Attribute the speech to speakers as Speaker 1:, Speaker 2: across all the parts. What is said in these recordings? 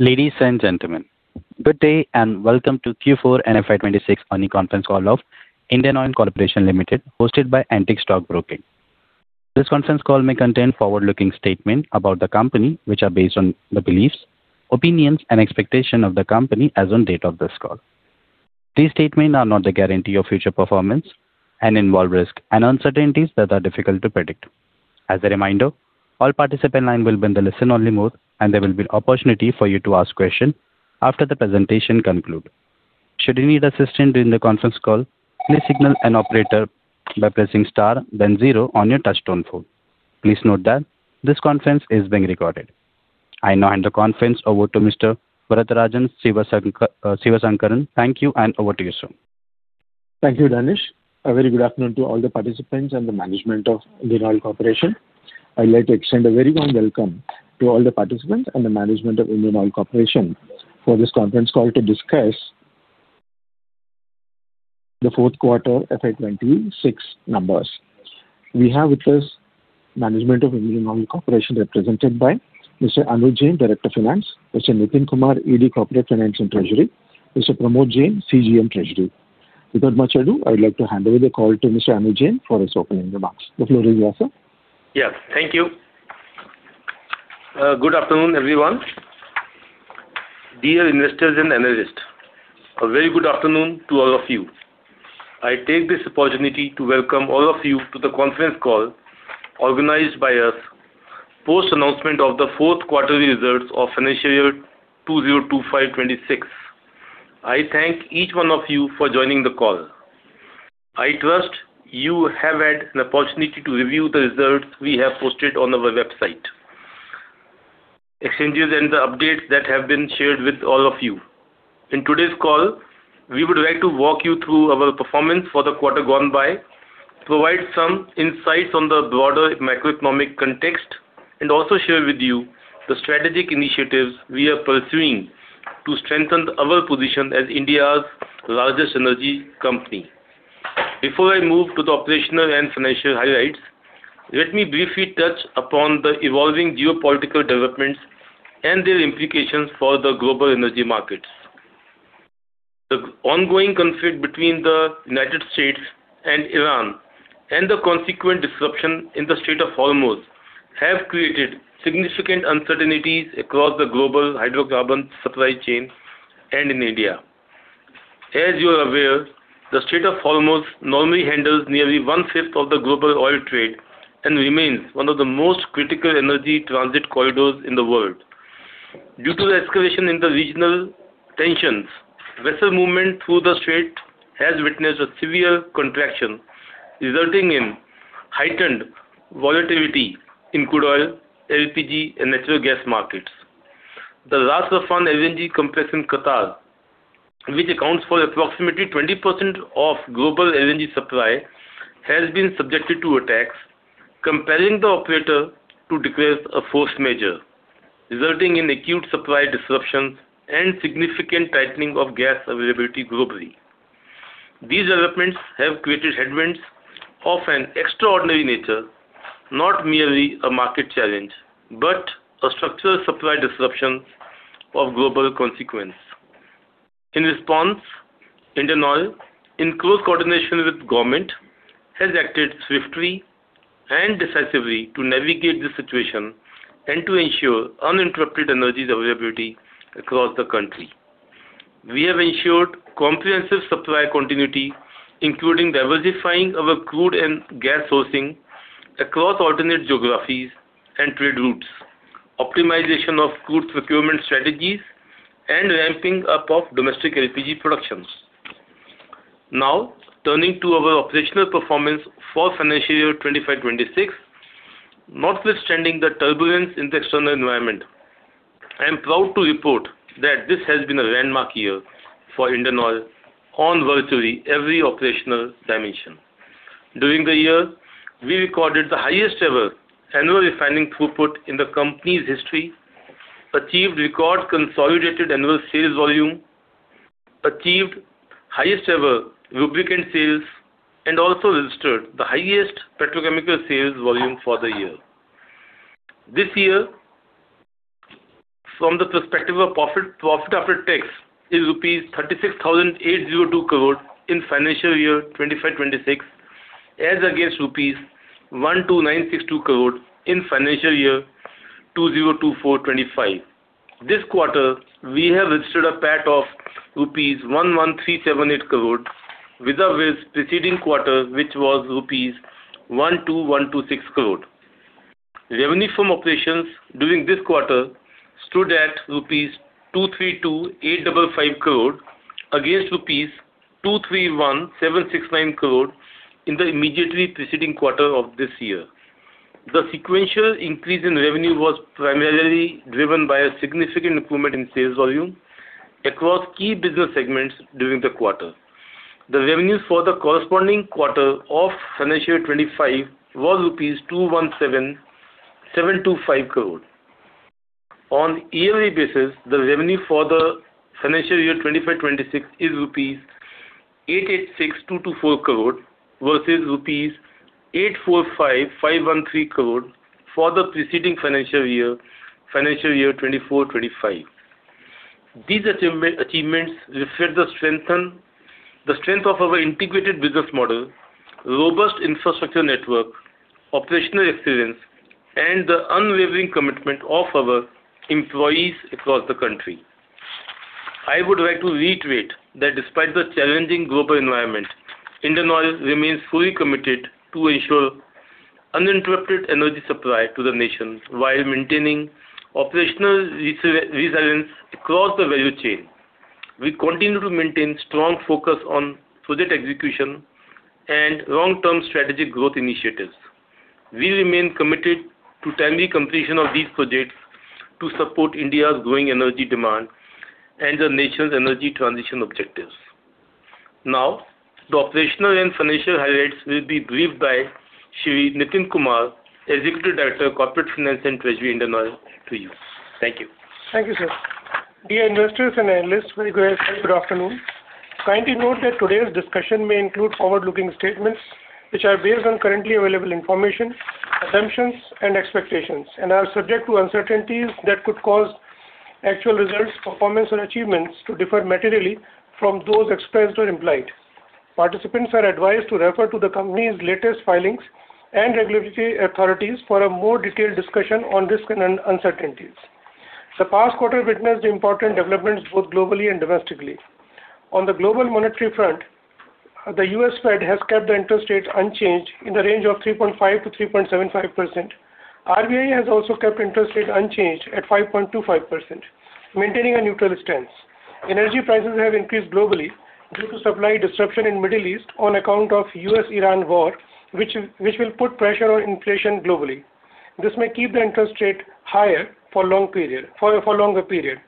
Speaker 1: Ladies and gentlemen, good day and welcome to Q4 and FY 2026 earning conference call of Indian Oil Corporation Limited, hosted by Antique Stock Broking. This conference call may contain forward-looking statement about the company, which are based on the beliefs, opinions, and expectation of the company as on date of this call. These statement are not a guarantee of future performance and involve risk and uncertainties that are difficult to predict. As a reminder, all participant line will be in the listen only mode, and there will be opportunity for you to ask question after the presentation conclude. Should you need assistance during the conference call, please signal an operator by pressing star then zero on your touchtone phone. Please note that this conference is being recorded. I now hand the conference over to Mr. Varatharajan Sivasankaran. Thank you and over to you, sir.
Speaker 2: Thank you, Danish. A very good afternoon to all the participants and the management of Indian Oil Corporation. I'd like to extend a very warm welcome to all the participants and the management of Indian Oil Corporation for this conference call to discuss the fourth quarter FY 2026 numbers. We have with us management of Indian Oil Corporation represented by Mr. Anuj Jain, Director of Finance, Mr. Nitin Kumar, ED Corporate Finance and Treasury, Mr. Pramod Jain, CGM Treasury. Without much ado, I'd like to hand over the call to Mr. Anuj Jain for his opening remarks. The floor is yours, sir.
Speaker 3: Yeah. Thank you. Good afternoon, everyone. Dear investors and analysts, a very good afternoon to all of you. I take this opportunity to welcome all of you to the conference call organized by us post-announcement of the fourth quarter results of financial year 2025-2026. I thank each one of you for joining the call. I trust you have had an opportunity to review the results we have posted on our website, exchanges and the updates that have been shared with all of you. In today's call, we would like to walk you through our performance for the quarter gone by, provide some insights on the broader macroeconomic context, and also share with you the strategic initiatives we are pursuing to strengthen our position as India's largest energy company. Before I move to the operational and financial highlights, let me briefly touch upon the evolving geopolitical developments and their implications for the global energy markets. The ongoing conflict between the U.S. and Iran and the consequent disruption in the Strait of Hormuz have created significant uncertainties across the global hydrocarbon supply chain and in India. As you are aware, the Strait of Hormuz normally handles nearly one-fifth of the global oil trade and remains one of the most critical energy transit corridors in the world. Due to the escalation in the regional tensions, vessel movement through the strait has witnessed a severe contraction, resulting in heightened volatility in crude oil, LPG, and natural gas markets. The Ras Laffan LNG complex in Qatar, which accounts for approximately 20% of global LNG supply, has been subjected to attacks, compelling the operator to declare a force majeure, resulting in acute supply disruptions and significant tightening of gas availability globally. These developments have created headwinds of an extraordinary nature, not merely a market challenge, but a structural supply disruption of global consequence. In response, Indian Oil, in close coordination with government, has acted swiftly and decisively to navigate the situation and to ensure uninterrupted energy availability across the country. We have ensured comprehensive supply continuity, including diversifying our crude and gas sourcing across alternate geographies and trade routes, optimization of crude procurement strategies, and ramping up of domestic LPG productions. Turning to our operational performance for FY 2025, 2026, notwithstanding the turbulence in the external environment, I am proud to report that this has been a landmark year for Indian Oil on virtually every operational dimension. During the year, we recorded the highest ever annual refining throughput in the company's history, achieved record consolidated annual sales volume, achieved highest ever lubricant sales, and also registered the highest petrochemical sales volume for the year. This year, from the perspective of profit, PAT is rupees 36,802 crore in FY 2025, 2026, as against INR 12,962 crore in FY 2024, 2025. This quarter, we have registered a PAT of 11,378 crore rupees vis-a-vis preceding quarter, which was 12,126 crore rupees. Revenue from operations during this quarter stood at 232,855 crore rupees against 231,769 crore rupees in the immediately preceding quarter of this year. The sequential increase in revenue was primarily driven by a significant improvement in sales volume across key business segments during the quarter. The revenues for the corresponding quarter of financial year 2025 was rupees 217,725 crore. On yearly basis, the revenue for the financial year 2025, 2026 is rupees 886,224 crore versus rupees 845,513 crore for the preceding financial year, financial year 2024, 2025. These achievements reflect the strength of our integrated business model, robust infrastructure network, operational experience, and the unwavering commitment of our employees across the country. I would like to reiterate that despite the challenging global environment, Indian Oil remains fully committed to ensure uninterrupted energy supply to the nation while maintaining operational resilience across the value chain. We continue to maintain strong focus on project execution and long-term strategic growth initiatives. We remain committed to timely completion of these projects to support India's growing energy demand and the nation's energy transition objectives. The operational and financial highlights will be briefed by Shri Nitin Kumar, Executive Director of Corporate Finance and Treasury, Indian Oil, to you. Thank you.
Speaker 4: Thank you, sir. Dear investors and analysts, very good afternoon. Kindly note that today's discussion may include forward-looking statements which are based on currently available information, assumptions, and expectations, and are subject to uncertainties that could cause actual results, performance, and achievements to differ materially from those expressed or implied. Participants are advised to refer to the company's latest filings and regulatory authorities for a more detailed discussion on risk and uncertainties. The past quarter witnessed important developments both globally and domestically. On the global monetary front, the U.S. Fed has kept the interest rates unchanged in the range of 3.5%-3.75%. RBI has also kept interest rates unchanged at 5.25%, maintaining a neutral stance. Energy prices have increased globally due to supply disruption in Middle East on account of U.S.-Iran war, which will put pressure on inflation globally. This may keep the interest rate higher for longer period.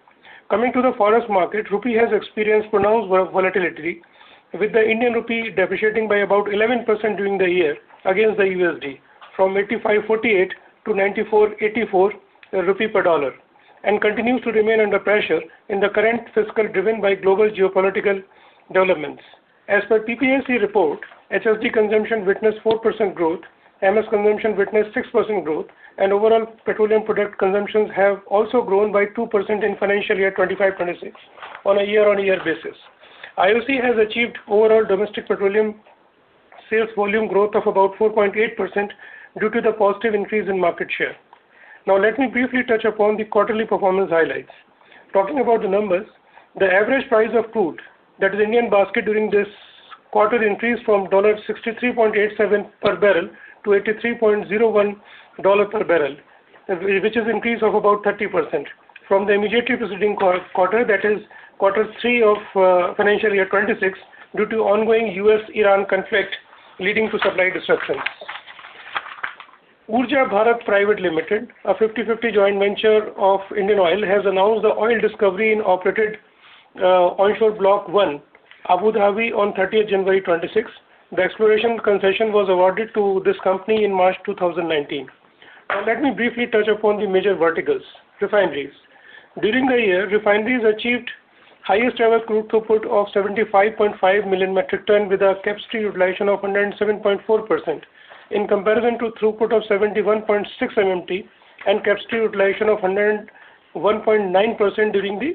Speaker 4: Coming to the foreign exchange market, rupee has experienced pronounced volatility, with the Indian rupee depreciating by about 11% during the year against the USD from INR 85.48 to 94.84 rupee per dollar, and continues to remain under pressure in the current fiscal driven by global geopolitical developments. As per PPAC report, HSD consumption witnessed 4% growth, MS consumption witnessed 6% growth, and overall petroleum product consumptions have also grown by 2% in financial year 2025, 2026 on a year-on-year basis. IOC has achieved overall domestic petroleum sales volume growth of about 4.8% due to the positive increase in market share. Let me briefly touch upon the quarterly performance highlights. Talking about the numbers, the average price of crude that is Indian basket during this quarter increased from $63.87 per barrel to $83.01 per barrel, which is increase of about 30% from the immediately preceding quarter, that is quarter three of financial year 2026 due to ongoing U.S.-Iran conflict leading to supply disruptions. Urja Bharat Pte. Limited, a 50/50 joint venture of Indian Oil, has announced the oil discovery in operated onshore block 1, Abu Dhabi on 30th January 2026. The exploration concession was awarded to this company in March 2019. Let me briefly touch upon the major verticals. Refineries. During the year, refineries achieved highest ever crude throughput of 75.5 million metric ton with a capacity utilization of 107.4% in comparison to throughput of 71.6 MMT, and capacity utilization of 101.9% during the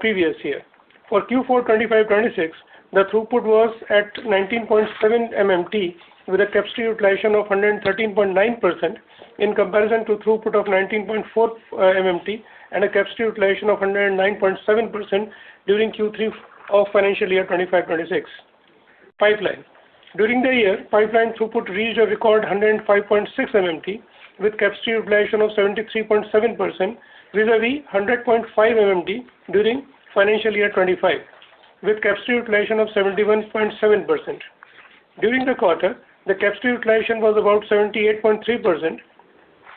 Speaker 4: previous year. For Q4 2025-2026, the throughput was at 19.7 MMT with a capacity utilization of 113.9% in comparison to throughput of 19.4 MMT and a capacity utilization of 109.7% during Q3 of financial year 2025-2026. Pipeline. During the year, pipeline throughput reached a record 105.6 MMT with capacity utilization of 73.7% vis-à-vis 100.5 MMT during financial year 2025 with capacity utilization of 71.7%. During the quarter, the capacity utilization was about 78.3%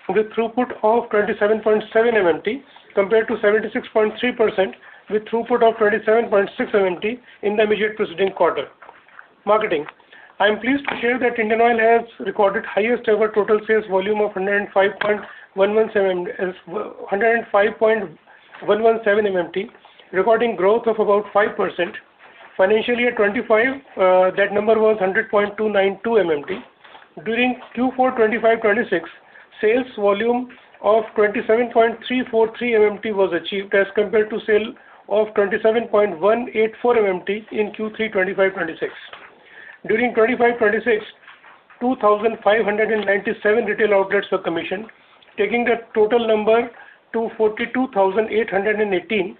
Speaker 4: with throughput of 27.7 MMT compared to 76.3% with throughput of 27.6 MMT in the immediate preceding quarter. Marketing. I am pleased to share that Indian Oil has recorded highest ever total sales volume of 105.117 MMT, recording growth of about 5%. Financial year 2025, that number was 100.292 MMT. During Q4 2025-2026, sales volume of 27.343 MMT was achieved as compared to sale of 27.184 MMT in Q3 2025-2026. During 2025-2026, 2,597 retail outlets were commissioned, taking the total number to 42,818.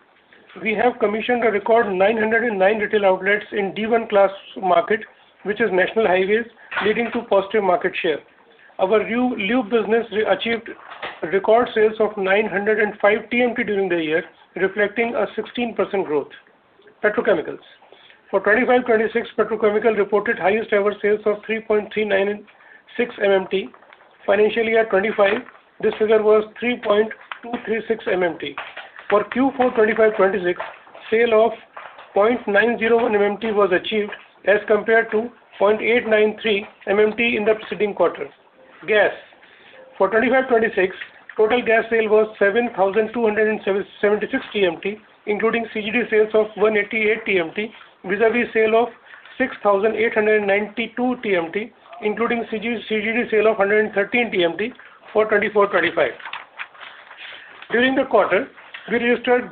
Speaker 4: We have commissioned a record 909 retail outlets in D1 class market, which is national highways, leading to positive market share. Our lube business achieved record sales of 905 TMT during the year, reflecting a 16% growth. Petrochemicals. For 2025-2026, petrochemical reported highest ever sales of 3.396 MMT. Financial year 2025, this figure was 3.236 MMT. For Q4 2025-2026, sale of 0.901 MMT was achieved as compared to 0.893 MMT in the preceding quarter. Gas. For 2025-2026, total gas sale was 7,276 TMT, including CGD sales of 188 TMT, vis-a-vis sale of 6,892 TMT, including CGD sale of 113 TMT for 2024-2025. During the quarter, we registered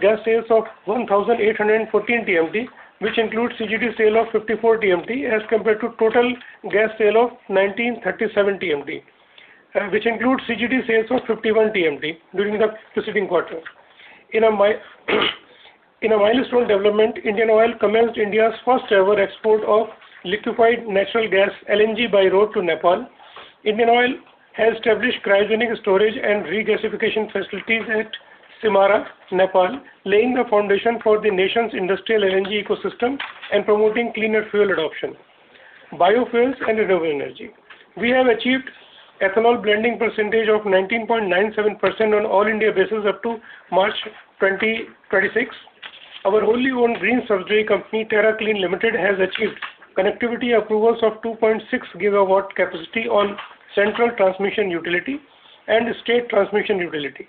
Speaker 4: gas sales of 1,814 TMT, which includes CGD sale of 54 TMT as compared to total gas sale of 1,937 TMT, which includes CGD sales of 51 TMT during the preceding quarter. In a milestone development, Indian Oil commenced India's first-ever export of liquefied natural gas, LNG, by road to Nepal. Indian Oil has established cryogenic storage and regasification facilities at Simara, Nepal, laying the foundation for the nation's industrial LNG ecosystem and promoting cleaner fuel adoption. Biofuels and renewable energy. We have achieved ethanol blending percentage of 19.97% on all India basis up to March 2026. Our wholly-owned green subsidiary company, Terra Clean Ltd, has achieved connectivity approvals of 2.6 GW capacity on central transmission utility and state transmission utility.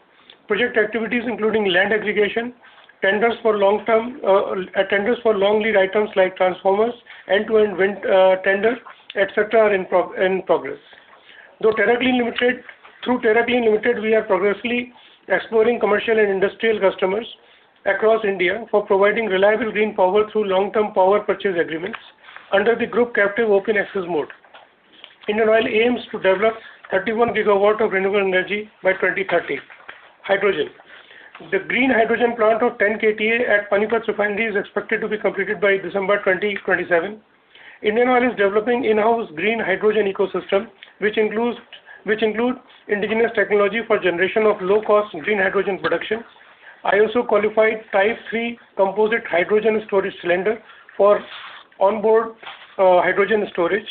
Speaker 4: Project activities including land aggregation, tenders for long-term, tenders for long lead items like transformers, end-to-end tender, et cetera, are in progress. Through Terra Clean Ltd, we are progressively exploring commercial and industrial customers across India for providing reliable green power through long-term power purchase agreements under the group captive open access mode. Indian Oil aims to develop 31 GW of renewable energy by 2030. Hydrogen. The green hydrogen plant of 10 KTA at Panipat Refinery is expected to be completed by December 2027. Indian Oil is developing in-house green hydrogen ecosystem, which includes indigenous technology for generation of low-cost green hydrogen production. Indian Oil also qualified type 3 composite hydrogen storage cylinder for onboard hydrogen storage,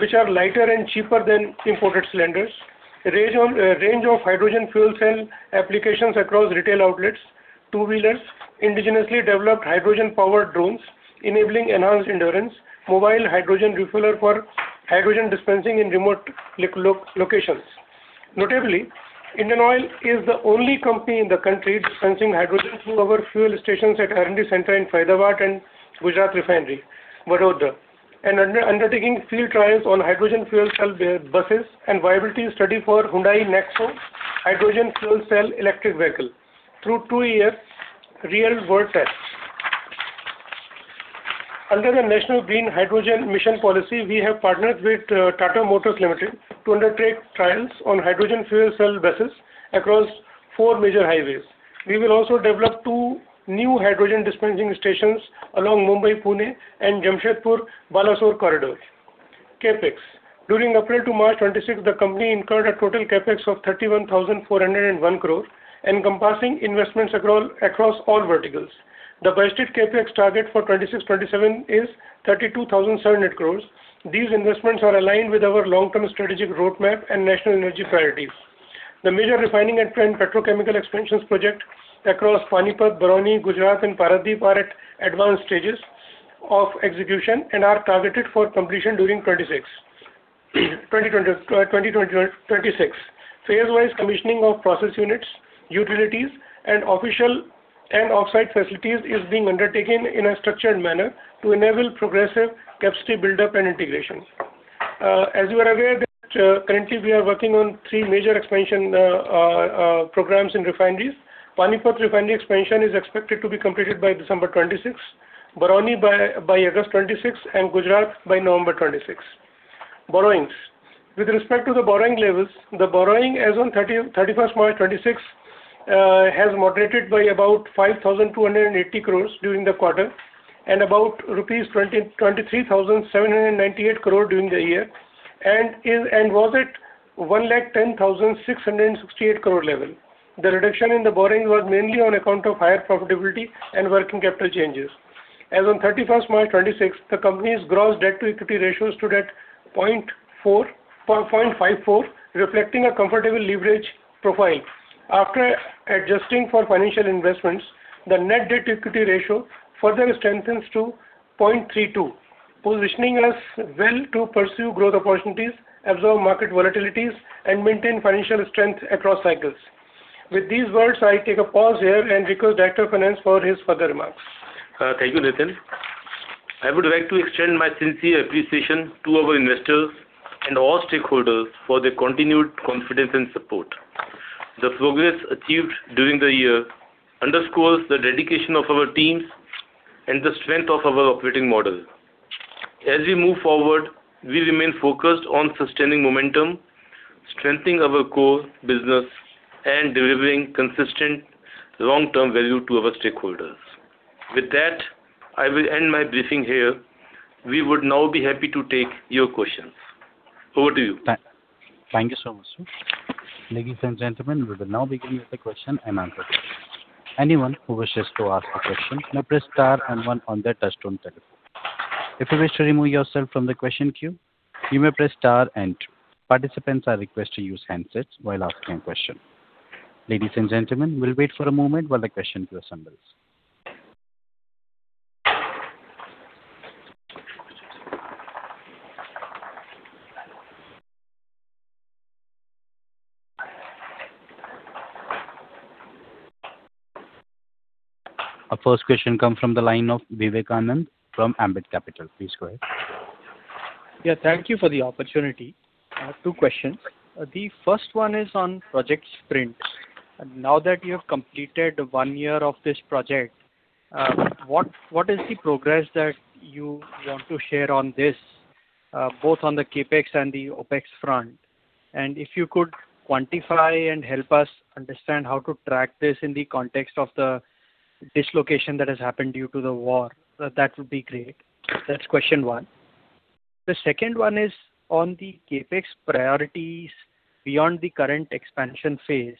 Speaker 4: which are lighter and cheaper than imported cylinders. Range of hydrogen fuel cell applications across retail outlets, two-wheelers, indigenously developed hydrogen-powered drones enabling enhanced endurance, mobile hydrogen refiller for hydrogen dispensing in remote locations. Notably, Indian Oil is the only company in the country dispensing hydrogen through our fuel stations at R&D Center in Faridabad and Gujarat Refinery, Vadodara, and undertaking field trials on hydrogen fuel cell buses and viability study for Hyundai NEXO hydrogen fuel cell electric vehicle through two-year real world tests. Under the National Green Hydrogen Mission Policy, we have partnered with Tata Motors Limited to undertake trials on hydrogen fuel cell buses across four major highways. We will also develop two new hydrogen dispensing stations along Mumbai-Pune and Jamshedpur-Balasore corridor. CapEx. During April to March 2026, the company incurred a total CapEx of 31,401 crore, encompassing investments across all verticals. The budgeted CapEx target for 2026, 2027 is 32,700 crore. These investments are aligned with our long-term strategic roadmap and national energy priorities. The major refining and petrochemical expansions project across Panipat, Barauni, Gujarat, and Paradip are at advanced stages of execution and are targeted for completion during 2026. 2020-2026. Phase-wise commissioning of process units, utilities, and onsite and offsite facilities is being undertaken in a structured manner to enable progressive capacity buildup and integration. As you are aware that, currently we are working on three major expansion programs in refineries. Panipat Refinery expansion is expected to be completed by December 2026, Barauni by August 2026, and Gujarat by November 2026. Borrowings. With respect to the borrowing levels, the borrowing as on 31st March 2026 has moderated by about 5,280 crores during the quarter and about rupees 23,798 crore during the year, and was at 110,668 crore level. The reduction in the borrowing was mainly on account of higher profitability and working capital changes. As on 31st March 2026, the company's gross debt-to-equity ratio stood at 0.54, reflecting a comfortable leverage profile. After adjusting for financial investments, the net debt-to-equity ratio further strengthens to 0.32, positioning us well to pursue growth opportunities, absorb market volatilities, and maintain financial strength across cycles. With these words, I take a pause here and request Director of Finance for his further remarks.
Speaker 3: Thank you, Nitin. I would like to extend my sincere appreciation to our investors and all stakeholders for their continued confidence and support. The progress achieved during the year underscores the dedication of our teams and the strength of our operating model. As we move forward, we remain focused on sustaining momentum, strengthening our core business, and delivering consistent long-term value to our stakeholders. With that, I will end my briefing here. We would now be happy to take your questions. Over to you.
Speaker 1: Thank you so much, sir. Ladies and gentlemen, we will now begin with the question and answer session. Anyone who wishes to ask a question may press star and one on their touch-tone telephone. If you wish to remove yourself from the question queue, you may press star and two. Participants are requested to use handsets while asking a question. Ladies and gentlemen, we'll wait for a moment while the question queue assembles. Our first question comes from the line of Vivekanand from Ambit Capital. Please go ahead.
Speaker 5: Yeah, thank you for the opportunity. I have two questions. The first one is on Project SPRINT. Now that you have completed one year of this project, what is the progress that you want to share on this, both on the CapEx and the OpEx front? If you could quantify and help us understand how to track this in the context of the dislocation that has happened due to the war, that would be great. That's question one. The second one is on the CapEx priorities beyond the current expansion phase.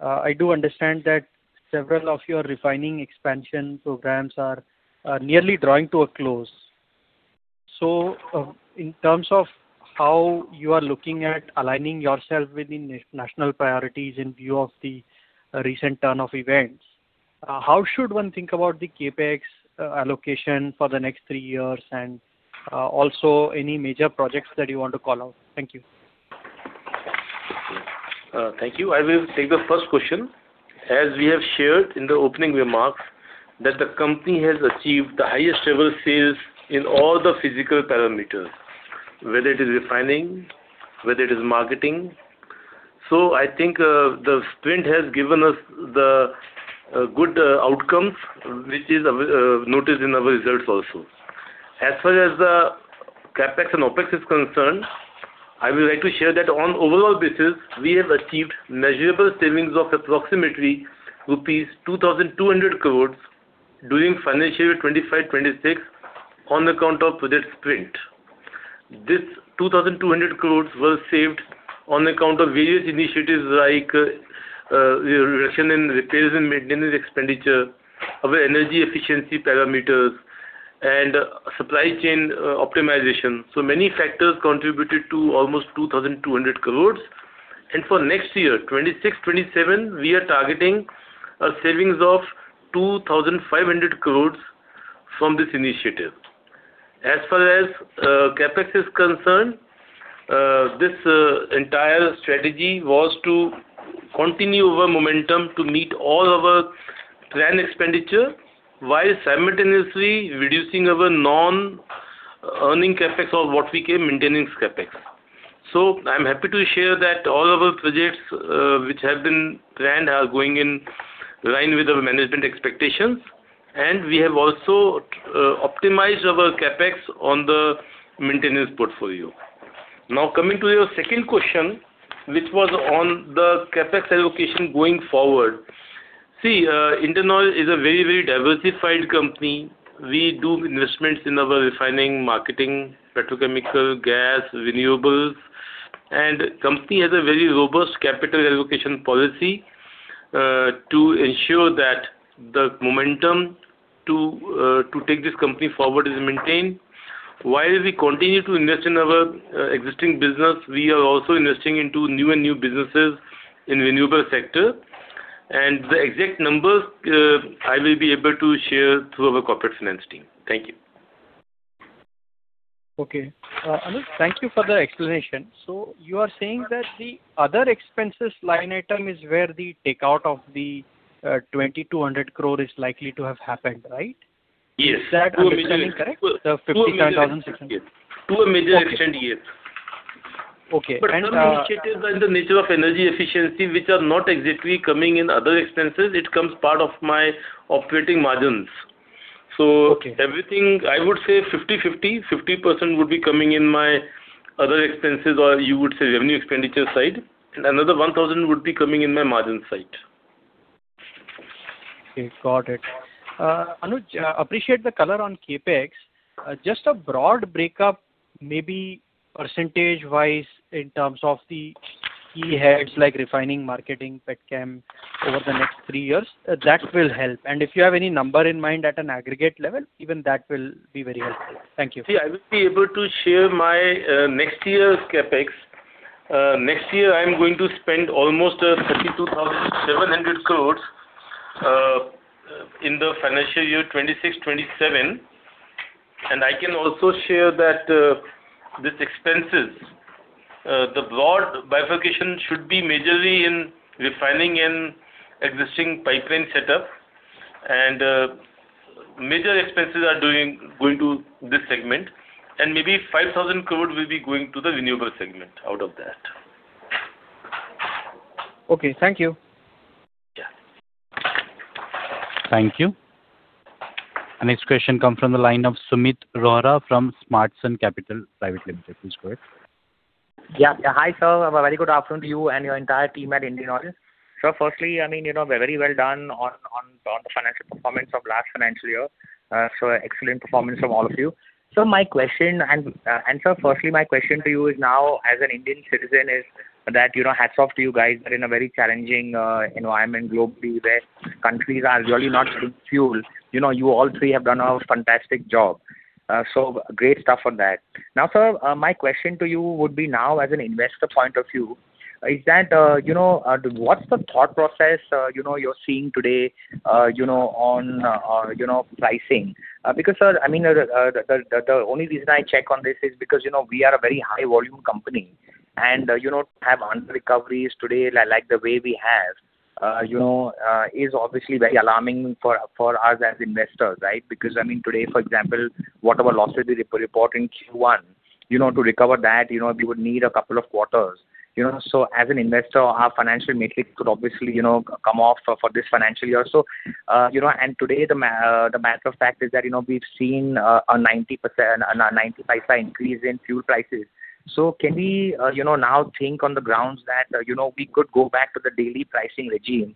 Speaker 5: I do understand that several of your refining expansion programs are nearly drawing to a close. In terms of how you are looking at aligning yourself within national priorities in view of the recent turn of events, how should one think about the CapEx allocation for the next three years and, also any major projects that you want to call out? Thank you.
Speaker 3: Thank you. I will take the first question. As we have shared in the opening remarks, that the company has achieved the highest ever sales in all the physical parameters, whether it is refining, whether it is marketing. I think the SPRINT has given us the good outcomes, which is noticed in our results also. As far as the CapEx and OpEx is concerned, I would like to share that on overall basis, we have achieved measurable savings of approximately rupees 2,200 crores during financial year 2025, 2026 on account of Project SPRINT. This 2,200 crores was saved on account of various initiatives like reduction in repairs and maintenance expenditure, our energy efficiency parameters, and supply chain optimization. Many factors contributed to almost 2,200 crores. For next year, 2026, 2027, we are targeting a savings of 2,500 crore from this initiative. As far as CapEx is concerned, this entire strategy was to continue our momentum to meet all our plan expenditure while simultaneously reducing our non-earning CapEx or what we call maintenance CapEx. I'm happy to share that all our projects, which have been planned are going in line with our management expectations, and we have also optimized our CapEx on the maintenance portfolio. Coming to your second question, which was on the CapEx allocation going forward. See, Indian Oil is a very, very diversified company. We do investments in our refining, marketing, petrochemical, gas, renewables, and company has a very robust capital allocation policy to ensure that the momentum to take this company forward is maintained. While we continue to invest in our existing business, we are also investing into new and new businesses in renewable sector. The exact numbers, I will be able to share through our corporate finance team. Thank you.
Speaker 5: Okay. Anuj, thank you for the explanation. You are saying that the other expenses line item is where the takeout of the 2,200 crore is likely to have happened, right?
Speaker 3: Yes.
Speaker 5: Is that understanding correct? The 52,600.
Speaker 3: To a major extent, yes.
Speaker 5: Okay.
Speaker 3: Some initiatives are in the nature of energy efficiency, which are not exactly coming in other expenses. It comes part of my operating margins.
Speaker 5: Okay.
Speaker 3: Everything, I would say 50/50. 50% would be coming in my other expenses, or you would say revenue expenditure side, and another 1,000 would be coming in my margin side.
Speaker 5: Okay, got it. Anuj, appreciate the color on CapEx. Just a broad breakup, maybe percentage-wise in terms of the key heads like refining, marketing, petchem over the next three years, that will help. If you have any number in mind at an aggregate level, even that will be very helpful. Thank you.
Speaker 3: See, I will be able to share my next year's CapEx. Next year I'm going to spend almost 32,700 crores in the financial year 2026-2027. I can also share that these expenses, the broad bifurcation should be majorly in refining and existing pipeline setup. Major expenses are going to this segment, maybe 5,000 crores will be going to the renewable segment out of that.
Speaker 5: Okay. Thank you.
Speaker 3: Yeah.
Speaker 1: Thank you. Our next question comes from the line of Sumeet Rohra from Smartsun Capital Pte Ltd. Please go ahead.
Speaker 6: Hi, sir. A very good afternoon to you and your entire team at Indian Oil. Sir, firstly, I mean, you know, very well done on the financial performance of last financial year. Excellent performance from all of you. Sir, firstly, my question to you is now as an Indian citizen is that, you know, hats off to you guys. You are in a very challenging environment globally where countries are really not giving fuel. You all three have done a fantastic job. Great stuff on that. Now, sir, my question to you would be now as an investor point of view is that, you know, what's the thought process, you know, you're seeing today, you know, on, you know, pricing? Because, sir, I mean, the only reason I check on this is because, you know, we are a very high volume company. To have unreal recoveries today like the way we have, you know, is obviously very alarming for us as investors, right? I mean, today, for example, whatever losses we report in Q1, you know, to recover that, you know, we would need a couple of quarters. As an investor, our financial metrics could obviously, you know, come off for this financial year. Today the matter of fact is that, you know, we've seen, a 90% a 95% increase in fuel prices. Can we, you know, now think on the grounds that, you know, we could go back to the daily pricing regime,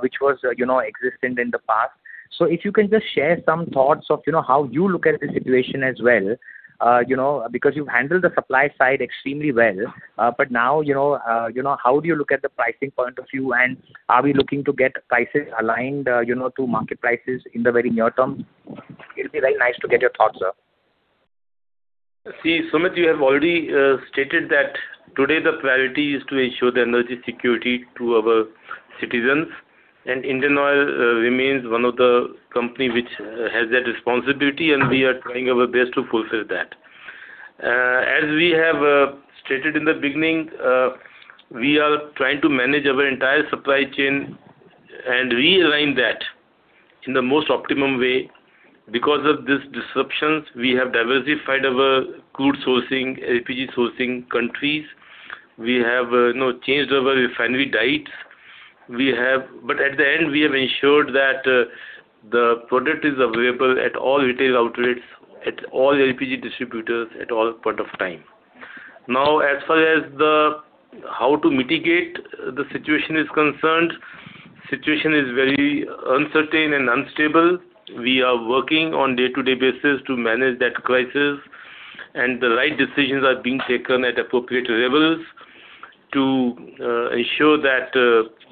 Speaker 6: which was, you know, existent in the past? If you can just share some thoughts of, you know, how you look at the situation as well, you know, because you've handled the supply side extremely well. Now, you know, you know, how do you look at the pricing point of view, and are we looking to get prices aligned, you know, to market prices in the very near term? It'll be very nice to get your thoughts, sir.
Speaker 3: See, Sumeet, you have already stated that today the priority is to ensure the energy security to our citizens. Indian Oil remains one of the company which has that responsibility. We are trying our best to fulfill that. As we have stated in the beginning, we are trying to manage our entire supply chain and realign that in the most optimum way. Because of these disruptions, we have diversified our crude sourcing, LPG sourcing countries. We have, you know, changed our refinery diets. At the end, we have ensured that the product is available at all retail outlets, at all LPG distributors at all point of time. As far as the how to mitigate the situation is concerned, situation is very uncertain and unstable. We are working on day-to-day basis to manage that crisis, and the right decisions are being taken at appropriate levels to ensure that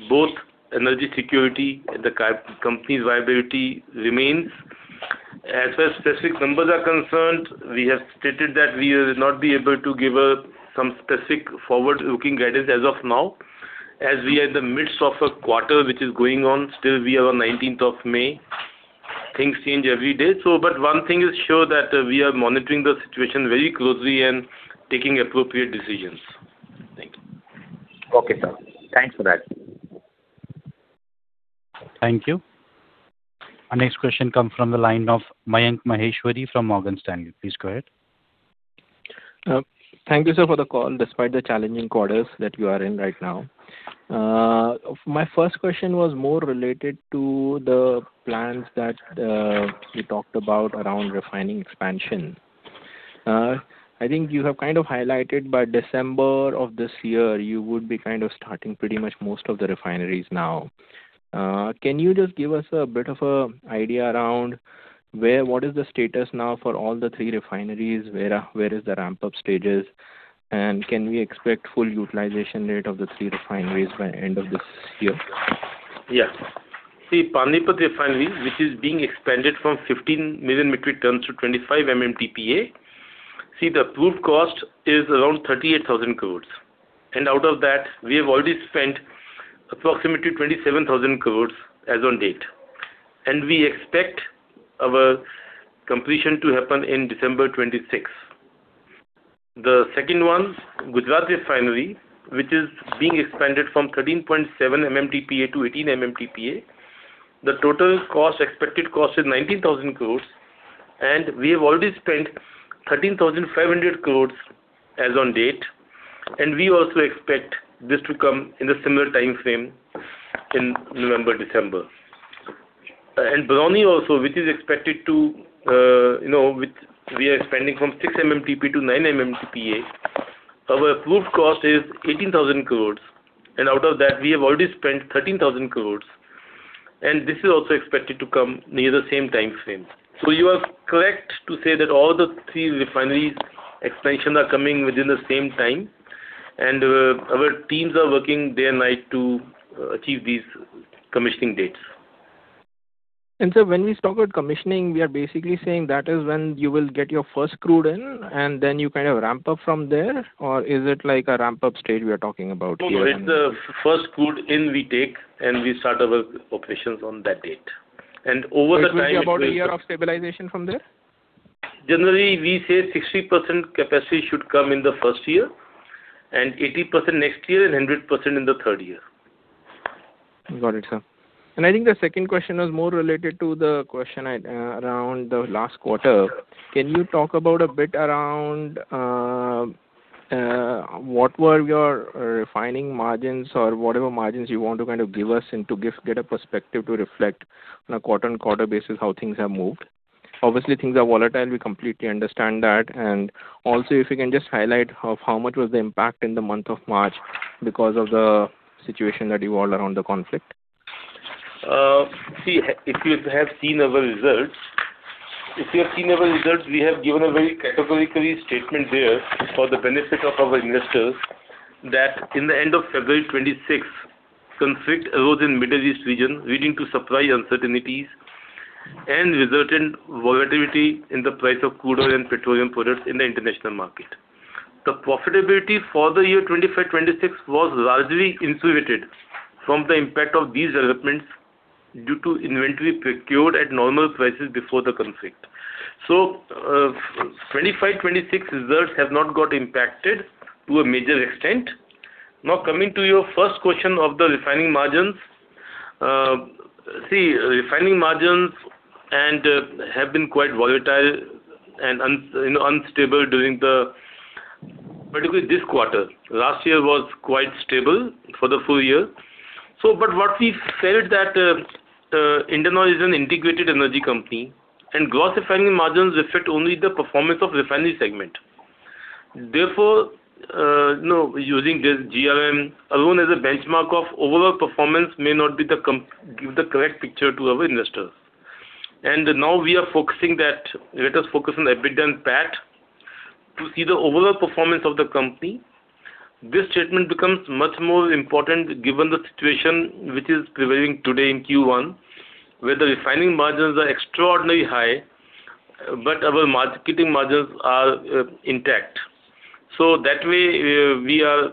Speaker 3: both energy security and the company's viability remains. As far as specific numbers are concerned, we have stated that we will not be able to give some specific forward-looking guidance as of now, as we are in the midst of a quarter which is going on. Still we are on 19th of May. Things change every day. One thing is sure that we are monitoring the situation very closely and taking appropriate decisions. Thank you.
Speaker 6: Okay, sir. Thanks for that.
Speaker 1: Thank you. Our next question comes from the line of Mayank Maheshwari from Morgan Stanley. Please go ahead.
Speaker 7: Thank you, sir, for the call, despite the challenging quarters that you are in right now. My first question was more related to the plans that you talked about around refining expansion. I think you have kind of highlighted by December of this year you would be kind of starting pretty much most of the refineries now. Can you just give us a bit of an idea around what is the status now for all the three refineries? Where is the ramp-up stages? Can we expect full utilization rate of the three refineries by end of this year?
Speaker 3: Panipat Refinery, which is being expanded from 15 million metric tons to 25 MMTPA, the approved cost is around 38,000 crores. Out of that, we have already spent approximately 27,000 crores as on date. We expect our completion to happen in December 2026. The second one, Gujarat Refinery, which is being expanded from 13.7 MMTPA to 18 MMTPA, the total cost, expected cost is 19,000 crores, and we have already spent 13,500 crores as on date. We also expect this to come in a similar timeframe in November, December. Barauni also, which is expected to, you know, which we are expanding from 6 MMTP to 9 MMTPA, our approved cost is 18,000 crore, out of that we have already spent 13,000 crore, this is also expected to come near the same timeframe. You are correct to say that all the three refineries expansion are coming within the same time, our teams are working day and night to achieve these commissioning dates.
Speaker 7: When we talk about commissioning, we are basically saying that is when you will get your first crude in and then you kind of ramp up from there, or is it like a ramp-up stage we are talking about here?
Speaker 3: No, no. It's the first crude in we take, and we start our operations on that date. Over the time.
Speaker 7: It will be about a year of stabilization from there?
Speaker 3: Generally, we say 60% capacity should come in the first year, and 80% next year, and 100% in the third year.
Speaker 7: Got it, sir. I think the second question was more related to the question at around the last quarter. Can you talk about a bit around what were your refining margins or whatever margins you want to kind of give us and to get a perspective to reflect on a quarter-on-quarter basis how things have moved. Obviously, things are volatile, we completely understand that. Also if you can just highlight of how much was the impact in the month of March because of the situation that evolved around the conflict.
Speaker 3: See, if you have seen our results, we have given a very categorically statement there for the benefit of our investors that in the end of February 2026, conflict arose in Middle East region leading to supply uncertainties. Resultant volatility in the price of crude oil and petroleum products in the international market. The profitability for the year 2025, 2026 was largely insulated from the impact of these developments due to inventory procured at normal prices before the conflict. 2025, 2026 results have not got impacted to a major extent. Coming to your first question of the refining margins. See, refining margins and have been quite volatile and, you know, unstable during particularly this quarter. Last year was quite stable for the full year. What we felt that Indian Oil is an integrated energy company, and gross refining margins reflect only the performance of refinery segment. Therefore, you know, using this GRM alone as a benchmark of overall performance may not give the correct picture to our investors. Now we are focusing, let us focus on EBITDA and PAT to see the overall performance of the company. This statement becomes much more important given the situation which is prevailing today in Q1, where the refining margins are extraordinarily high, but our keeping margins are intact. That way, we are,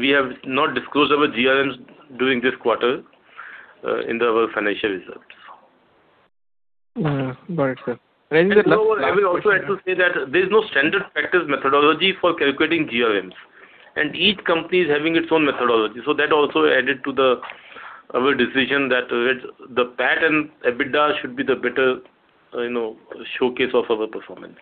Speaker 3: we have not disclosed our GRMs during this quarter in our financial results.
Speaker 7: Mm-hmm. Got it, sir. The last question.
Speaker 3: I will also add to say that there is no standard practice methodology for calculating GRMs, and each company is having its own methodology. That also added to our decision that it's the PAT and EBITDA should be the better, you know, showcase of our performance.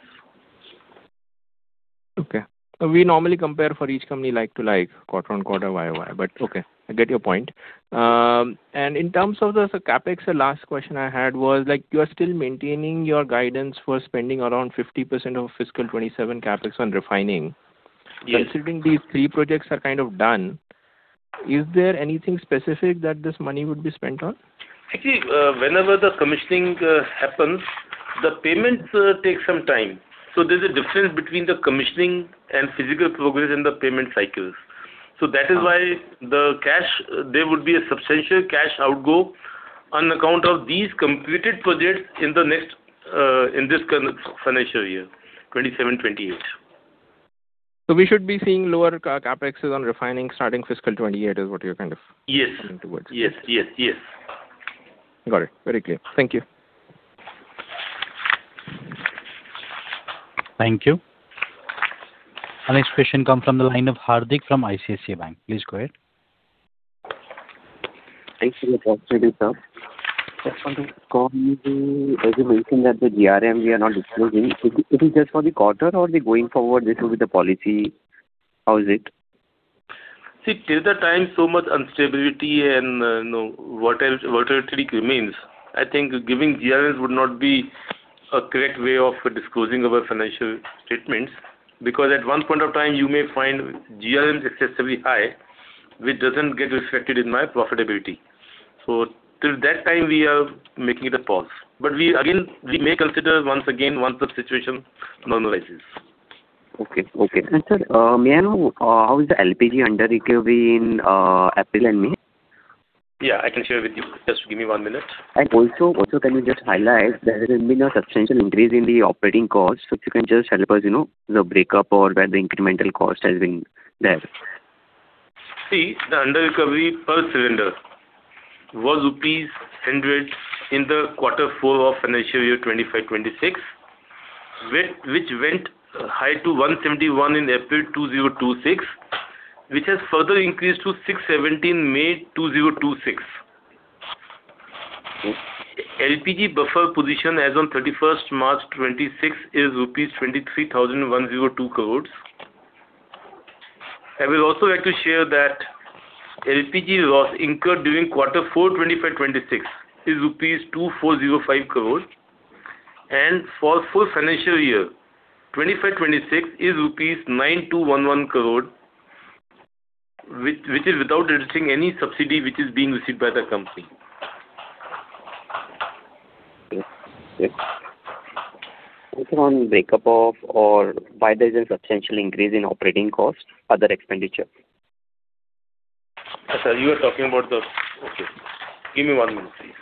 Speaker 7: Okay. We normally compare for each company like to like, quarter-on-quarter, YoY, but okay, I get your point. In terms of the CapEx, the last question I had was, like, you are still maintaining your guidance for spending around 50% of fiscal 2027 CapEx on refining.
Speaker 3: Yes.
Speaker 7: Considering these three projects are kind of done, is there anything specific that this money would be spent on?
Speaker 3: Whenever the commissioning happens, the payments take some time. There's a difference between the commissioning and physical progress in the payment cycles. That is why there would be a substantial cash outgo on account of these completed projects in the next in this financial year, 2027, 2028.
Speaker 7: We should be seeing lower CapEx on refining starting fiscal 2028 is what you're.
Speaker 3: Yes.
Speaker 7: Coming towards.
Speaker 3: Yes. Yes. Yes.
Speaker 7: Got it. Very clear. Thank you.
Speaker 1: Thank you. Our next question comes from the line of Hardik from ICICI Bank. Please go ahead.
Speaker 8: Thank you for the opportunity, sir. Just wanted to call you as you mentioned that the GRM we are not disclosing, is it just for the quarter or going forward this will be the policy? How is it?
Speaker 3: Till the time so much instability and, you know, volatility remains, I think giving GRMs would not be a correct way of disclosing our financial statements, because at one point of time, you may find GRMs excessively high, which doesn't get reflected in my profitability. Till that time, we are making it a pause. We, again, we may consider once again once the situation normalizes.
Speaker 8: Okay. Okay. Sir, may I know how is the LPG underrecovery in April and May?
Speaker 3: Yeah, I can share with you. Just give me one minute.
Speaker 8: Also, can you just highlight, there has been a substantial increase in the operating costs. If you can just tell us, you know, the breakup or where the incremental cost has been there.
Speaker 3: The underrecovery per cylinder was rupees 100 in the quarter four of financial year 2025, 2026, which went high to 171 in April 2026, which has further increased to 670 in May 2026.
Speaker 8: Okay.
Speaker 3: LPG buffer position as on 31st March 2026 is rupees 23,102 crores. I will also like to share that LPG loss incurred during quarter four 2025-2026 is rupees 2,405 crores, and for full financial year 2025-2026 is rupees 9,211 crore, which is without deducing any subsidy which is being received by the company.
Speaker 8: Okay. Okay. Also on breakup of or why there's a substantial increase in operating costs, other expenditure?
Speaker 3: Sir, you are talking about the. Okay. Give me one minute, please.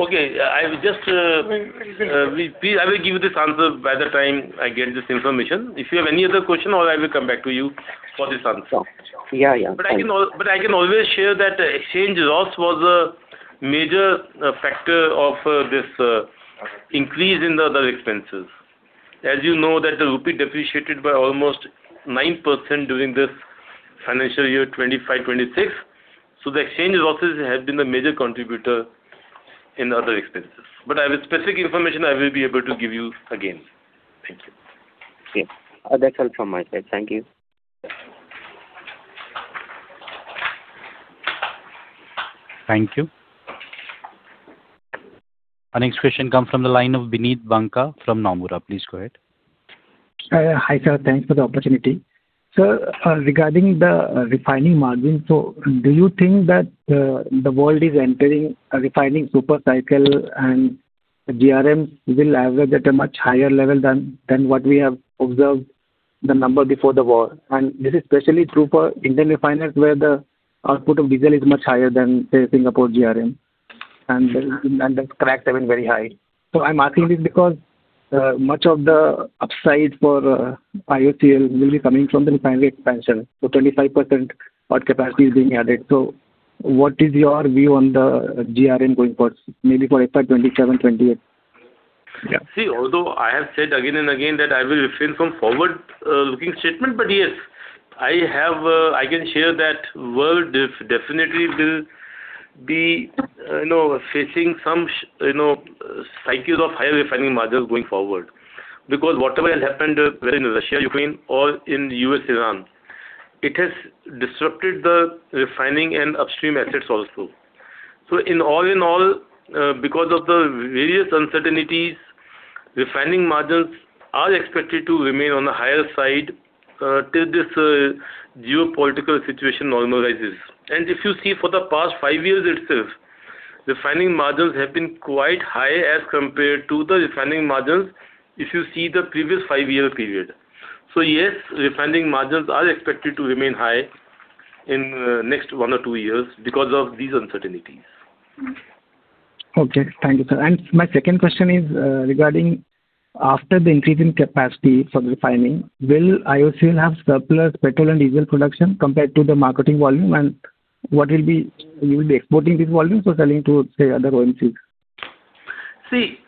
Speaker 3: Okay. I will just.
Speaker 4: One minute.
Speaker 3: Please, I will give you this answer by the time I get this information. If you have any other question or I will come back to you for this answer.
Speaker 8: Sure. Yeah, yeah. Thanks.
Speaker 3: I can always share that exchange loss was a major factor of this increase in the other expenses. You know that the rupee depreciated by almost 9% during this financial year 2025, 2026. The exchange losses have been the major contributor in other expenses. Specific information I will be able to give you again. Thank you.
Speaker 8: Okay. That's all from my side. Thank you.
Speaker 1: Thank you. Our next question comes from the line of Bineet Banka from Nomura. Please go ahead.
Speaker 9: Hi, sir. Thanks for the opportunity. Sir, regarding the refining margin, do you think that the world is entering a refining super cycle? The GRM will average at a much higher level than what we have observed the number before the war. This is especially true for Indian refiners, where the output of diesel is much higher than, say, Singapore GRM. The cracks have been very high. I'm asking this because much of the upside for IOCL will be coming from the refinery expansion. 25% of capacity is being added. What is your view on the GRM going forward, maybe for FY 2027, 2028?
Speaker 3: Although I have said again and again that I will refrain from forward-looking statement, yes, I can share that world definitely will be, you know, facing some, you know, cycles of higher refining margins going forward. Whatever has happened, whether in Russia-Ukraine or in U.S.-Iran, it has disrupted the refining and upstream assets also. In all in all, because of the various uncertainties, refining margins are expected to remain on the higher side till this geopolitical situation normalizes. If you see for the past five years itself, refining margins have been quite high as compared to the refining margins if you see the previous five-year period. Yes, refining margins are expected to remain high in next one or two years because of these uncertainties.
Speaker 9: Okay. Thank you, sir. My second question is, regarding after the increase in capacity for refining, will IOCL have surplus petrol and diesel production compared to the marketing volume? You will be exporting these volumes or selling to, say, other oil fields?
Speaker 3: See,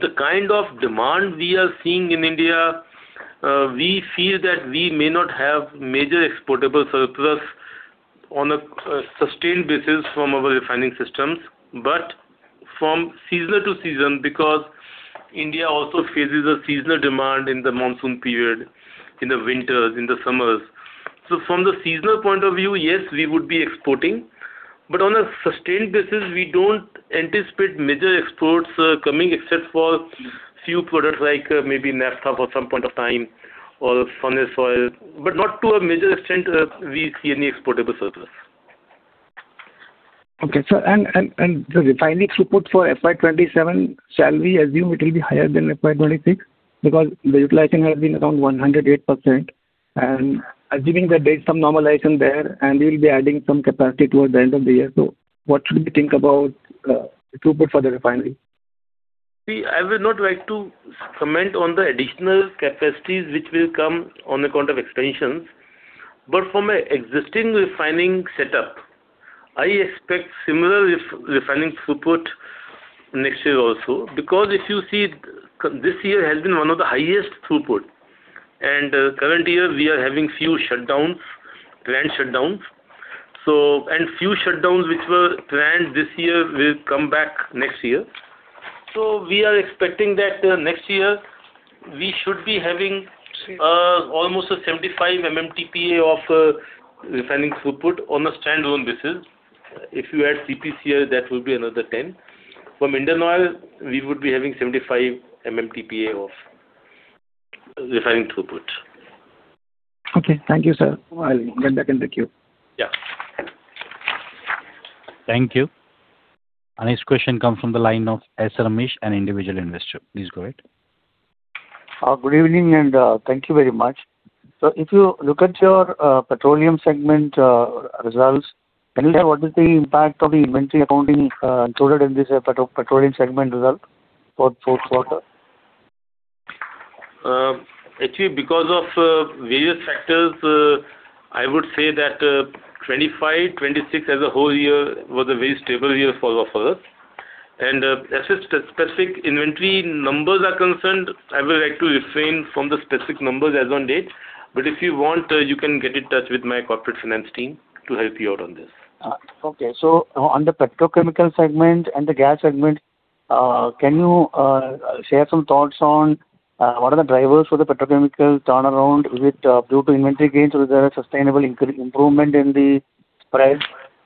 Speaker 3: the kind of demand we are seeing in India, we feel that we may not have major exportable surplus on a sustained basis from our refining systems, but from season to season, because India also faces a seasonal demand in the monsoon period, in the winters, in the summers. From the seasonal point of view, yes, we would be exporting, but on a sustained basis, we don't anticipate major exports coming except for few products like maybe naphtha for some point of time or furnace oil. Not to a major extent, we see any exportable surplus.
Speaker 9: Okay, sir. The refinery throughput for FY 2027, shall we assume it will be higher than FY 2026? The utilization has been around 108%, and assuming that there's some normalization there, and you'll be adding some capacity towards the end of the year. What should we think about throughput for the refinery?
Speaker 3: I would not like to comment on the additional capacities which will come on account of expansions, but from a existing refining setup, I expect similar refining throughput next year also. If you see, this year has been one of the highest throughput, and current year we are having few shutdowns, planned shutdowns. Few shutdowns which were planned this year will come back next year. We are expecting that next year we should be having.
Speaker 9: Sure.
Speaker 3: Almost a 75 MMTPA of refining throughput on a standalone basis. If you add CPCL, that will be another 10. From Indian Oil, we would be having 75 MMTPA of refining throughput.
Speaker 9: Okay. Thank you, sir. I'll get back in the queue.
Speaker 3: Yeah.
Speaker 1: Thank you. Our next question comes from the line of S. Ramesh, an individual investor. Please go ahead.
Speaker 10: Good evening, thank you very much. If you look at your petroleum segment results, can you share what is the impact of the inventory accounting included in this petroleum segment result for fourth quarter?
Speaker 3: Actually because of various factors, I would say that 2025, 2026 as a whole year was a very stable year for us. As specific inventory numbers are concerned, I would like to refrain from the specific numbers as on date. If you want, you can get in touch with my corporate finance team to help you out on this.
Speaker 10: Okay. On the petrochemical segment and the gas segment, can you share some thoughts on what are the drivers for the petrochemical turnaround? Is it due to inventory gains or is there a sustainable improvement in the price?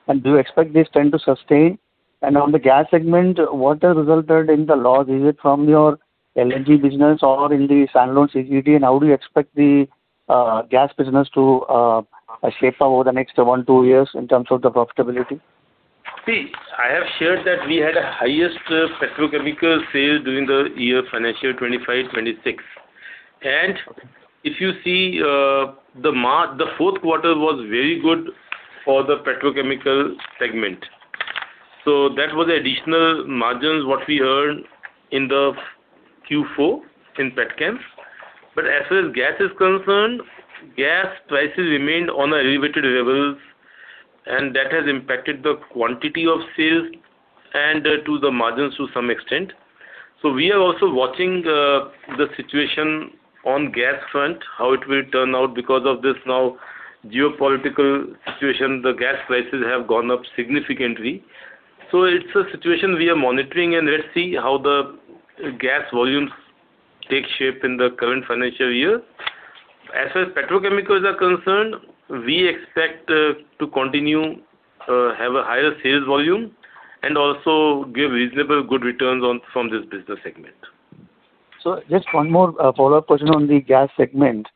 Speaker 10: Do you expect this trend to sustain? On the gas segment, what has resulted in the loss? Is it from your LNG business or in the standalone CGD, and how do you expect the gas business to shape up over the next one, two years in terms of the profitability?
Speaker 3: See, I have shared that we had a highest petrochemical sales during the year financial 2025, 2026. If you see, the fourth quarter was very good for the petrochemical segment. That was additional margins what we earned in the Q4 in petchem. As far as gas is concerned, gas prices remained on a elevated levels, and that has impacted the quantity of sales and to the margins to some extent. We are also watching the situation on gas front, how it will turn out. Because of this now geopolitical situation, the gas prices have gone up significantly. It's a situation we are monitoring, and let's see how the gas volumes take shape in the current financial year. As far as petrochemicals are concerned, we expect to continue have a higher sales volume and also give reasonable good returns on, from this business segment.
Speaker 10: Just one more follow-up question on the gas segment.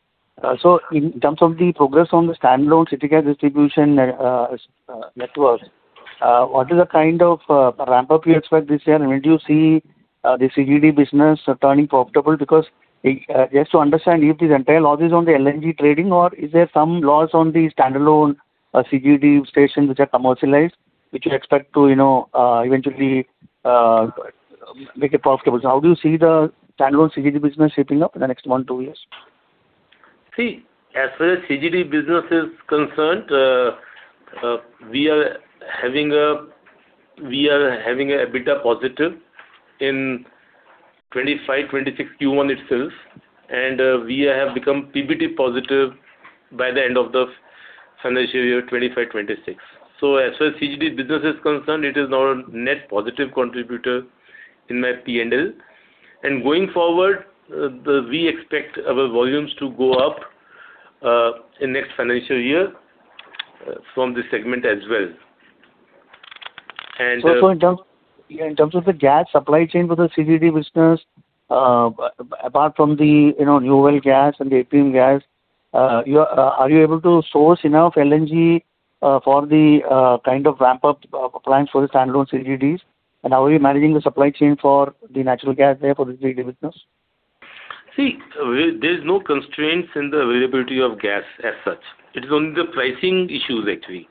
Speaker 10: In terms of the progress on the standalone City Gas Distribution network, what is the kind of ramp-up you expect this year? When do you see the CGD business turning profitable? Just to understand if this entire loss is on the LNG trading, or is there some loss on the standalone CGD stations which are commercialized, which you expect to, you know, eventually make it profitable. How do you see the standalone CGD business shaping up in the next one, two years?
Speaker 3: See, as far as CGD business is concerned, we are having a EBITDA positive in 2025-2026 Q1 itself. We have become PBT positive by the end of the financial year 2025-2026. So as far as CGD business is concerned, it is now a net positive contributor in my P&L. Going forward, we expect our volumes to go up in next financial year from this segment as well.
Speaker 10: In terms, in terms of the gas supply chain for the CGD business, apart from the, you know, new well gas and the APM gas, are you able to source enough LNG for the kind of ramp-up plans for the standalone CGDs? How are you managing the supply chain for the natural gas there for the CGD business?
Speaker 3: See, there is no constraints in the availability of gas as such. It is only the pricing issues actually.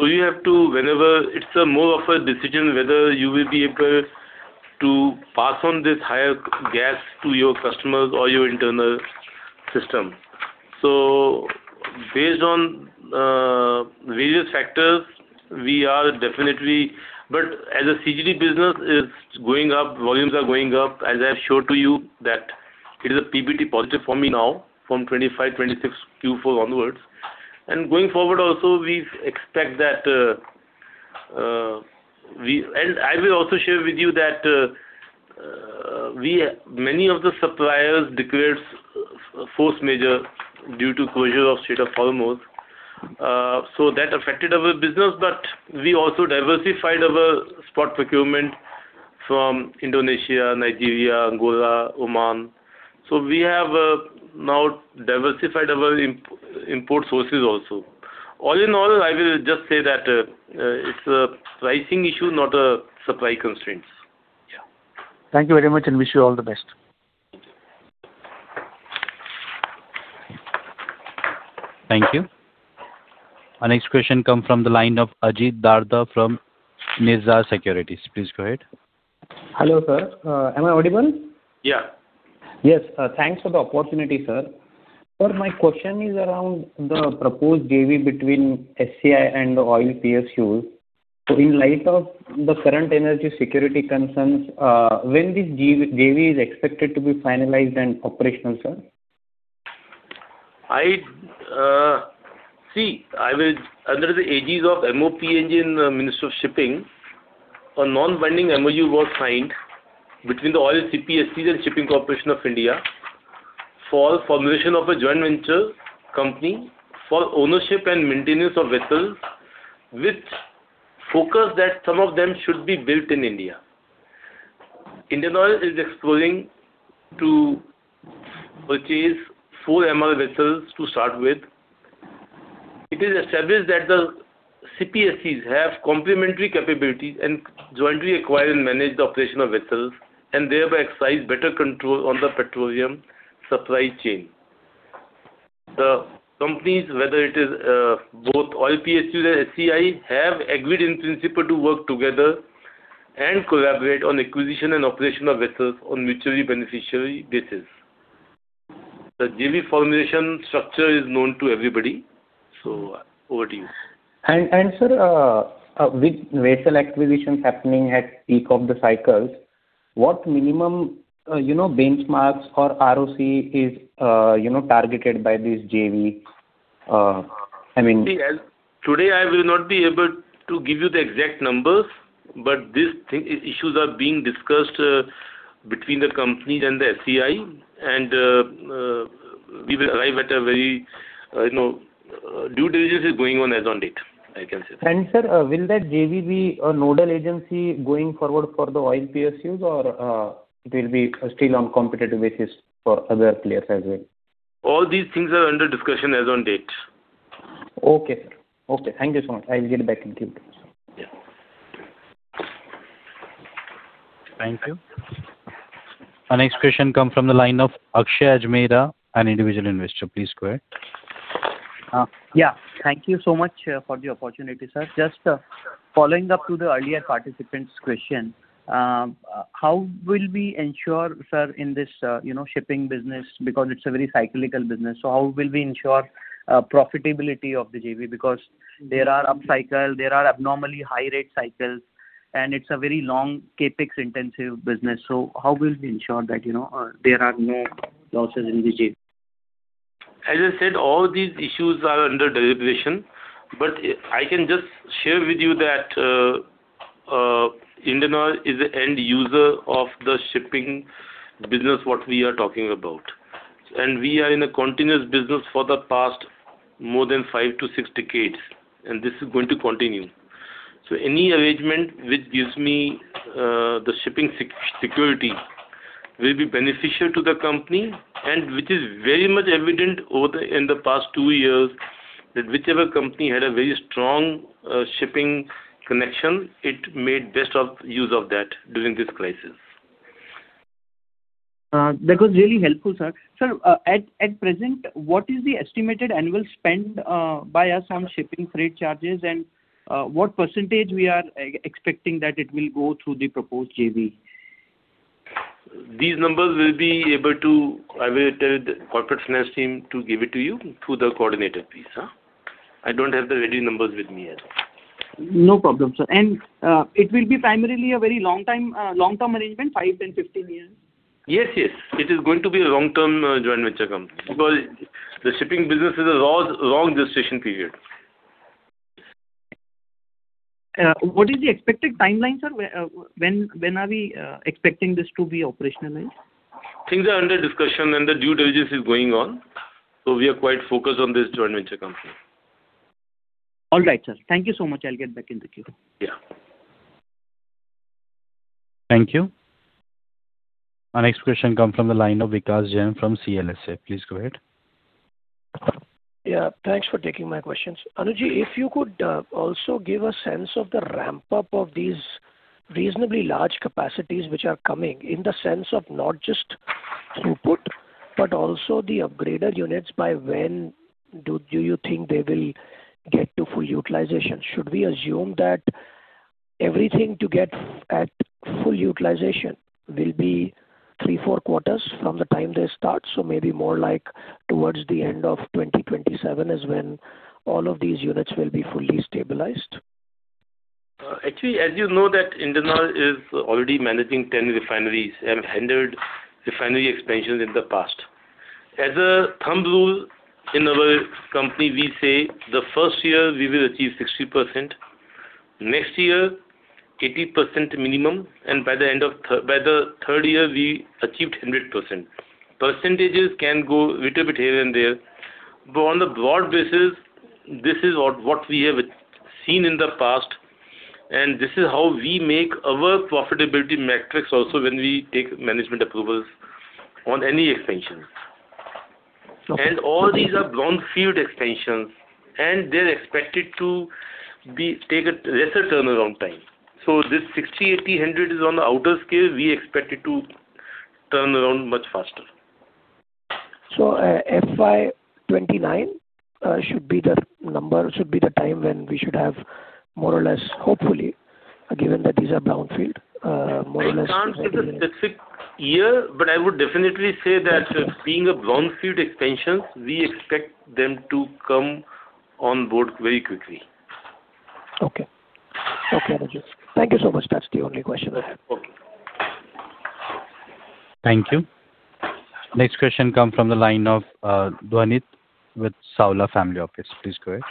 Speaker 3: It's a more of a decision whether you will be able to pass on this higher gas to your customers or your internal system. Based on various factors, as a CGD business is going up, volumes are going up, as I have showed to you that it is a PBT positive for me now from 2025, 2026 Q4 onwards. Going forward also, we expect that I will also share with you that many of the suppliers declared force majeure due to closure of Strait of Hormuz. That affected our business, but we also diversified our spot procurement from Indonesia, Nigeria, Angola, Oman. We have, now diversified our import sources also. All in all, I will just say that, it's a pricing issue, not a supply constraint.
Speaker 10: Yeah. Thank you very much, and wish you all the best.
Speaker 1: Thank you. Our next question come from the line of Ajit Darda from Nirzar Securities. Please go ahead.
Speaker 11: Hello, sir. Am I audible?
Speaker 3: Yeah.
Speaker 11: Yes. Thanks for the opportunity, sir. Sir, my question is around the proposed JV between SCI and the oil PSUs. In light of the current energy security concerns, when this JV is expected to be finalized and operational, sir?
Speaker 3: See, under the aegis of MoPNG and the Ministry of Shipping, a non-binding MOU was signed between the oil PSUs and Shipping Corporation of India for formulation of a joint venture company for ownership and maintenance of vessels, with focus that some of them should be built in India. Indian Oil is exploring to purchase 4 MR vessels to start with. It is established that the PSUs have complementary capabilities and jointly acquire and manage the operation of vessels and thereby exercise better control on the petroleum supply chain. The companies, whether it is, both oil PSUs and SCI, have agreed in principle to work together and collaborate on acquisition and operation of vessels on mutually beneficial basis. The JV formulation structure is known to everybody. Over to you.
Speaker 11: Sir, with vessel acquisitions happening at peak of the cycles, what minimum, you know, benchmarks or ROC is, you know, targeted by this JV?
Speaker 3: See, today I will not be able to give you the exact numbers, but these issues are being discussed between the companies and the SCI and we will arrive at a very, you know, due diligence is going on as on date, I can say that.
Speaker 11: Sir, will that JV be a nodal agency going forward for the oil PSUs or, it will be still on competitive basis for other players as well?
Speaker 3: All these things are under discussion as on date.
Speaker 11: Okay, sir. Okay, thank you so much. I'll get back in queue.
Speaker 3: Yeah.
Speaker 1: Thank you. Our next question come from the line of Akshay Ajmera, an Individual Investor. Please go ahead.
Speaker 12: Yeah. Thank you so much for the opportunity, sir. Just following up to the earlier participant's question, how will we ensure, sir, in this, you know, shipping business, because it's a very cyclical business, how will we ensure profitability of the JV? Because there are up cycle, there are abnormally high rate cycles, and it's a very long CapEx intensive business. How will we ensure that, you know, there are no losses in the JV?
Speaker 3: As I said, all these issues are under deliberation, but I can just share with you that Indian Oil is the end user of the shipping business, what we are talking about. We are in a continuous business for the past more than five to six decades, and this is going to continue. Any arrangement which gives me the shipping security will be beneficial to the company and which is very much evident over in the past two years that whichever company had a very strong shipping connection, it made best of use of that during this crisis.
Speaker 12: That was really helpful, sir. Sir, at present, what is the estimated annual spend, by us on shipping freight charges and, what percentage we are expecting that it will go through the proposed JV?
Speaker 3: These numbers I will tell the Corporate Finance Team to give it to you through the coordinator, please, huh. I don't have the ready numbers with me yet.
Speaker 12: No problem, sir. It will be primarily a very long time, long-term arrangement, five, 10, 15 years?
Speaker 3: Yes, yes. It is going to be a long-term, joint venture company because the shipping business is a long, long gestation period.
Speaker 12: What is the expected timeline, sir? When are we expecting this to be operationalized?
Speaker 3: Things are under discussion, and the due diligence is going on, so we are quite focused on this joint venture company.
Speaker 12: All right, sir. Thank you so much. I'll get back in the queue.
Speaker 3: Yeah.
Speaker 1: Thank you. Our next question comes from the line of Vikash Jain from CLSA. Please go ahead.
Speaker 13: Yeah. Thanks for taking my questions. Anuj, if you could also give a sense of the ramp-up of these reasonably large capacities which are coming, in the sense of not just throughput, but also the upgraded units. By when do you think they will get to full utilization? Should we assume that everything to get at full utilization will be three, four quarters from the time they start, so maybe more like towards the end of 2027 is when all of these units will be fully stabilized?
Speaker 3: Actually, as you know that Indian Oil is already managing 10 refineries and handled refinery expansions in the past. As a thumb rule, in our company, we say the first year we will achieve 60%, next year 80% minimum, and by the end of the third year we achieved 100%. Percentages can go little bit here and there, but on a broad basis, this is what we have seen in the past, and this is how we make our profitability metrics also when we take management approvals on any expansions.
Speaker 13: Okay.
Speaker 3: All these are brownfield expansions, and they're expected to take a lesser turnaround time. This 60, 80, 100 is on the outer scale. We expect it to turn around much faster.
Speaker 13: FY 2029 should be the time when we should have more or less, hopefully, given that these are brownfield.
Speaker 3: We can't give a specific year, but I would definitely say that being a brownfield expansion, we expect them to come on board very quickly.
Speaker 13: Okay. Okay, Anuj. Thank you so much. That's the only question I have.
Speaker 3: Okay.
Speaker 1: Thank you. Next question come from the line of Dhanit with Saula Family Office. Please go ahead.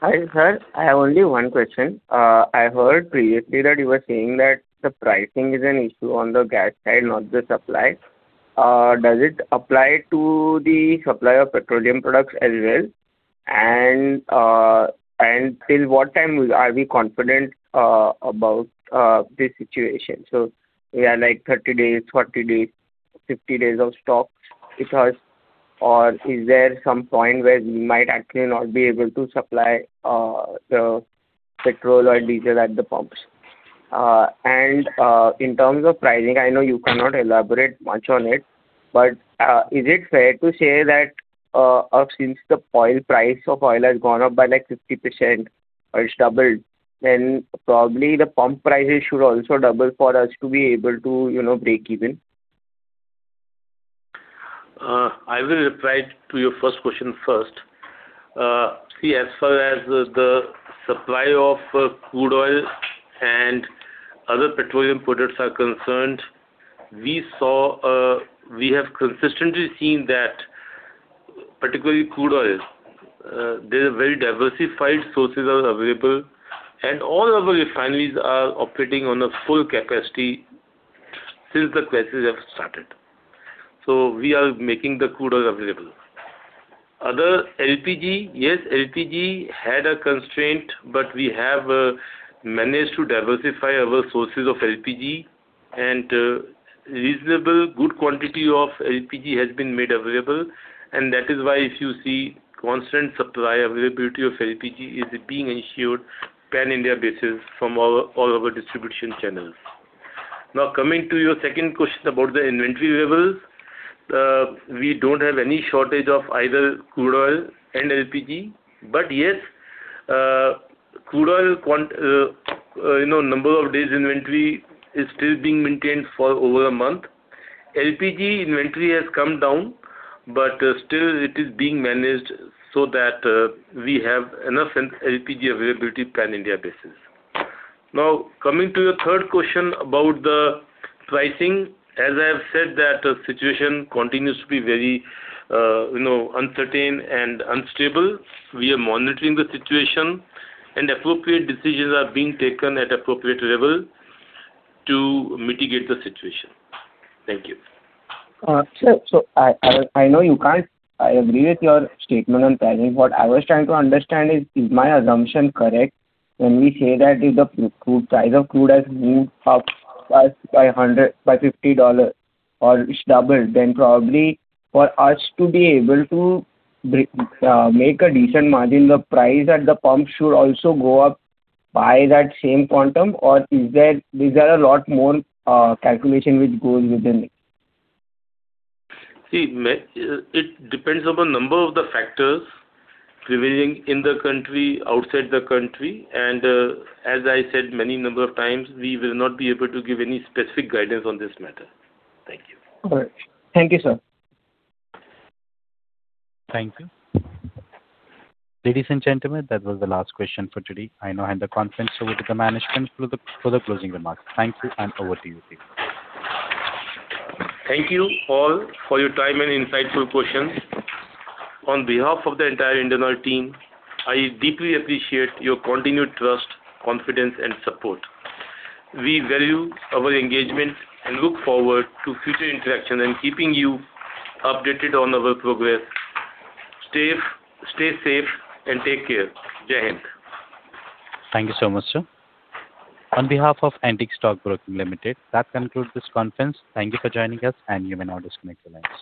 Speaker 14: Hi, sir. I have only one question. I heard previously that you were saying that the pricing is an issue on the gas side, not the supply. Does it apply to the supply of petroleum products as well? Till what time are we confident about the situation? We are like 30 days, 40 days, 50 days of stock with us, or is there some point where we might actually not be able to supply the petrol or diesel at the pumps? In terms of pricing, I know you cannot elaborate much on it, but is it fair to say that since the oil, price of oil has gone up by like 50% or it's doubled, then probably the pump prices should also double for us to be able to, you know, break even?
Speaker 3: I will reply to your first question first. See, as far as the supply of crude oil and other petroleum products are concerned, we have consistently seen that, particularly crude oil, there are very diversified sources are available, and all our refineries are operating on a full capacity since the crisis have started. We are making the crude oil available. Other LPG, yes, LPG had a constraint, we have managed to diversify our sources of LPG and reasonable good quantity of LPG has been made available. That is why if you see constant supply availability of LPG is being ensured pan-India basis from our, all our distribution channels. Now, coming to your second question about the inventory levels. We don't have any shortage of either crude oil and LPG. Yes, crude oil quant, you know, number of days inventory is still being maintained for over a month. LPG inventory has come down, but still it is being managed so that we have enough LPG availability pan-India basis. Coming to your third question about the pricing. As I have said, that the situation continues to be very, you know, uncertain and unstable. We are monitoring the situation, and appropriate decisions are being taken at appropriate level to mitigate the situation. Thank you.
Speaker 14: Sir, I know you can't. I agree with your statement on pricing. What I was trying to understand is my assumption correct when we say that if the price of crude has moved up by $100, by $50 or it's doubled, then probably for us to be able to make a decent margin, the price at the pump should also go up by that same quantum or these are a lot more calculation which goes within it?
Speaker 3: See, it depends upon number of the factors prevailing in the country, outside the country. As I said many number of times, we will not be able to give any specific guidance on this matter. Thank you.
Speaker 14: All right. Thank you, sir.
Speaker 1: Thank you. Ladies and gentlemen, that was the last question for today. I now hand the conference over to the management for the closing remarks. Thank you, and over to you, sir.
Speaker 3: Thank you all for your time and insightful questions. On behalf of the entire Indian Oil team, I deeply appreciate your continued trust, confidence, and support. We value our engagement and look forward to future interaction and keeping you updated on our progress. Stay safe and take care. Jai Hind.
Speaker 1: Thank you so much, sir. On behalf of Antique Stock Broking Limited, that concludes this conference. Thank you for joining us, and you may now disconnect your lines.